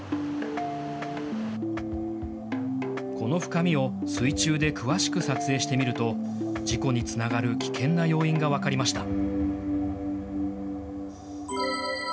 この深みを水中で詳しく撮影してみると、事故につながる危険な要因が分かりました。